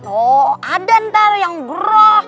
oh ada ntar yang gerak